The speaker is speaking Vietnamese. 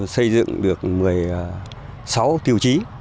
xây dựng được một mươi sáu tiêu chí